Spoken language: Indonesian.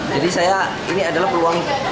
jadi ini adalah peluangnya